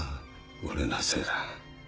俺のせいだ。